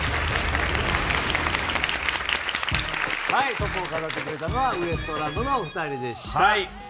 トップを飾ってくれたのはウエストランドのお２人でした。